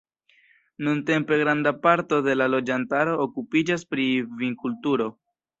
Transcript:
Nuntempe granda parto de la loĝantaro okupiĝas pri vinkulturo.